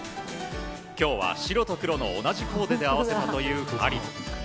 今日は白と黒の同じコーデで合わせたという２人。